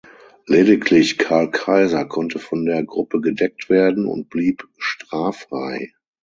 Lediglich Karl Kaiser konnte von der Gruppe gedeckt werden und blieb straffrei.